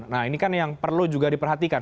nah ini kan yang perlu juga diperhatikan